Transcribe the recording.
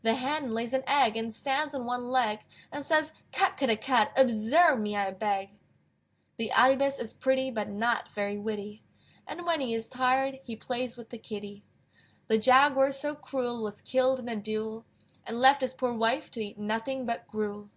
The Hen lays an egg, And stands on one leg, And says, "Cut ker dah cut! Observe me, I beg!" The Ibis is pretty, But not very witty; And when he is tired He plays with the kitty. The Jaguar so cruel Was killed in a duel, And left his poor wife To eat nothing but gruel.